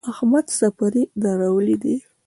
احمد څپری درولی دی.